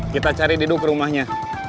kita cari diduk rumahnya